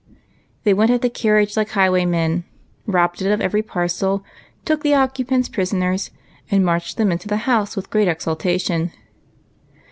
They went at the carriage hke high, waymen, robbed it of every parcel, took the occupants prisoners, and marched them into the house with great exultation.